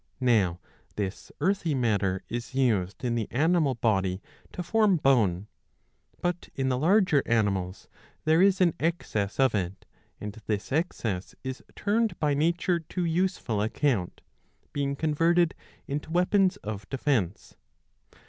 Now this earthy matter is used in the animal body to form bone. But in the larger animals there is an excess of it, and this excess is turned by nature to useful account, being converted into weapons of defence.